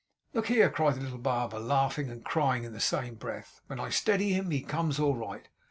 'Look here!' cried the little barber, laughing and crying in the same breath. 'When I steady him he comes all right.